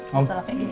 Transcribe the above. masalah kayak gini